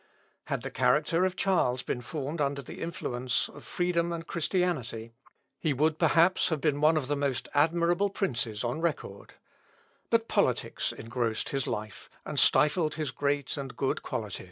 " Had the character of Charles been formed under the influence of freedom and Christianity, he would perhaps have been one of the most admirable princes on record; but politics engrossed his life, and stifled his great and good qualities.